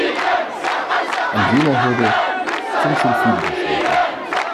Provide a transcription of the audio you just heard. An jener Hürde sind schon viele gescheitert.